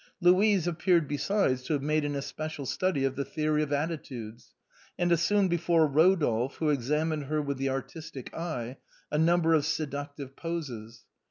Louise appeared besides to have made an especial study of the theory of attitudes, and assumed before Ro dolphe, who examined her with an artistic eye, a number of seductive poses.